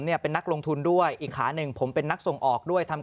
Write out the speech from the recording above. เป็นนักลงทุนด้วยอีกขาหนึ่งผมเป็นนักส่งออกด้วยทำ